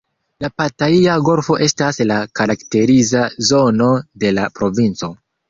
La Pataia Golfo estas la karakteriza zono de la provinco.